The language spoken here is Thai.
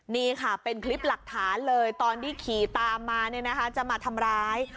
นี่ค่ะเป็นคลิปหลักฐานเลยตอนที่ขี่ตามมาจะมาทำร้าย